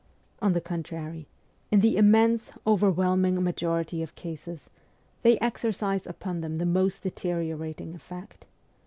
On the contrary, in the immense, over whelming majority of cases, they exercise upon them the most deteriorating effect.